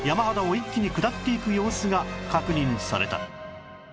一気に下っていく様子が確認された